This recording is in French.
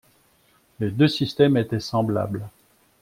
Les deux systèmes étaient semblables.